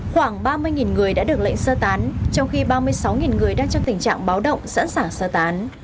khoảng ba mươi người đã được lệnh sơ tán trong khi ba mươi sáu người đang trong tình trạng báo động sẵn sàng sơ tán